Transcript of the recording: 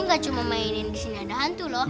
om ini gak cuma mainin disini ada hantu loh